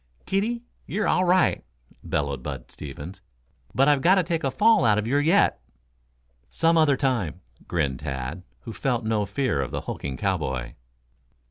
"Kiddie, yer all right," bellowed Bud Stevens. "But I've got to take a fall out of yer yet." "Some other time," grinned Tad, who felt no fear of the hulking cowboy.